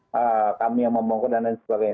karena kami yang membongkar dan lain sebagainya